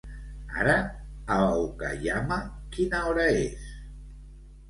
Ara a Okayama quina hora és?